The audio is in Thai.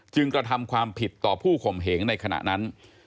กระทำความผิดต่อผู้ข่มเหงในขณะนั้น